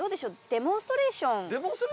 デモンストレーション？